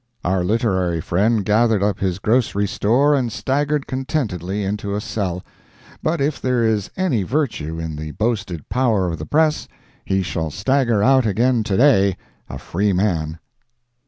Our literary friend gathered up his grocery store and staggered contentedly into a cell; but if there is any virtue in the boasted power of the press, he shall stagger out again to day, a free man.